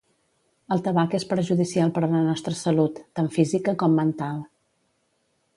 El tabac és perjudicial per la nostra salut, tant física com mental.